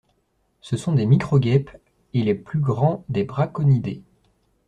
Ce sont des microguèpes et les plus grands des Braconidae.